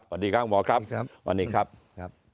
สวัสดีครับคุณหมอครับสวัสดีครับสวัสดีครับ